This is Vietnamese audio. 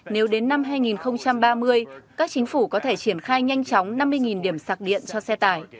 nếu đến năm hai nghìn ba mươi các chính phủ có thể triển khai nhanh chóng năm mươi điểm sạc điện cho xe tải